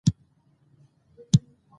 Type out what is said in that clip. مالیه ورکول د هېواد په ګټه دي.